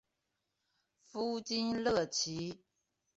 夫金乐琦。